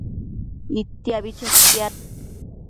Itiabi chetiad